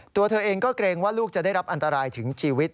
ตัวเธอเองก็เกรงว่าลูกจะได้รับอันตรายถึงชีวิต